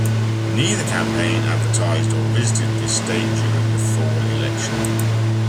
Neither campaign advertised or visited this state during the fall election.